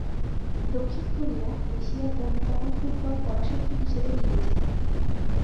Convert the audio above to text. দক্ষিণ কোরিয়া এশিয়ার অন্যতম ফুটবল পরাশক্তি হিসেবে বিবেচিত।